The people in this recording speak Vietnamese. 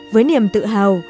với niềm tự hào